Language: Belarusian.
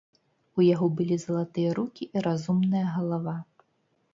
У яго былі залатыя рукі і разумная галава.